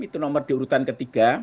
itu nomor di urutan ketiga